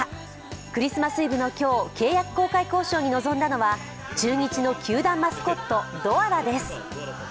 クリスマスイブの今日、契約更改交渉に臨んだのは中日の球団マスコットドアラです。